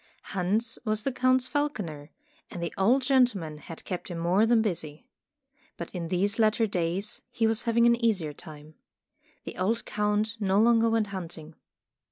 Hans was the Count's falconer, and the old gentleman had kept him more than busy. But in these latter days, he was having an easier time. The old Count no longer went hunting.